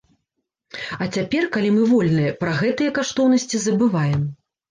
А цяпер, калі мы вольныя, пра гэтыя каштоўнасці забываем.